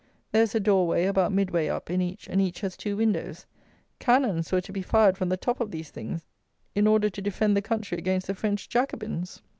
There is a door way, about midway up, in each, and each has two windows. Cannons were to be fired from the top of these things in order to defend the country against the French Jacobins!